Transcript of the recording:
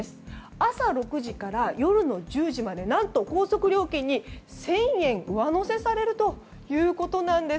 朝６時から夜の１０時まで何と高速料金に１０００円上乗せされるということなんです。